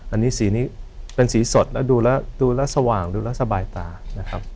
อันนี้สีนี้เป็นสีสดแล้วดูแล้วดูแล้วสว่างดูแล้วสบายตานะครับ